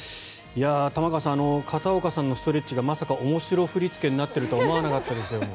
玉川さん片岡さんのストレッチがまさか面白振り付けになっているとは思わなかったですよ。